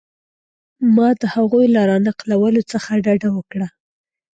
ما د هغوی له را نقلولو څخه ډډه وکړه.